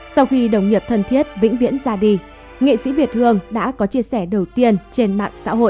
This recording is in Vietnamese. sau khi đồng nghiệp thân thiết vĩnh viễn ra đi nghệ sĩ việt hương đã có chia sẻ đầu tiên trên mạng xã hội